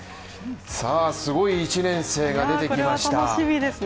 すごい１年生が出てきましたね